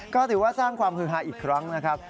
ก็ถือว่าสร้างความฮือฮาอีกครั้งนะครับ